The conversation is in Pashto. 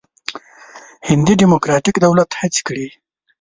هندي ډموکراتیک دولت هڅې کړې.